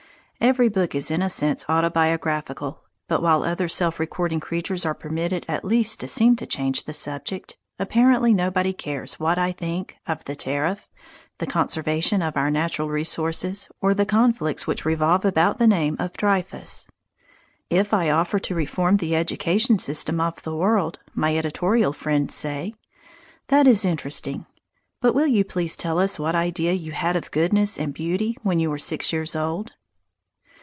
Every book is in a sense autobiographical. But while other self recording creatures are permitted at least to seem to change the subject, apparently nobody cares what I think of the tariff, the conservation of our natural resources, or the conflicts which revolve about the name of Dreyfus. If I offer to reform the education system of the world, my editorial friends say, "That is interesting. But will you please tell us what idea you had of goodness and beauty when you were six years old?"